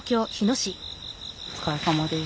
お疲れさまです。